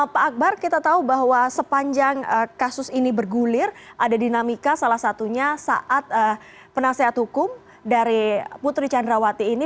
pak akbar kita tahu bahwa sepanjang kasus ini bergulir ada dinamika salah satunya saat penasehat hukum dari putri candrawati ini